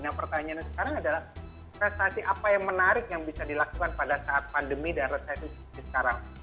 nah pertanyaannya sekarang adalah prestasi apa yang menarik yang bisa dilakukan pada saat pandemi dan resesi seperti sekarang